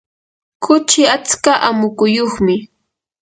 kuchi atska amukuyuqmi.